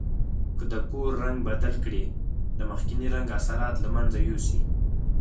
که د کور رنګ بدل کړئ د مخکني رنګ اثرات له منځه یوسئ.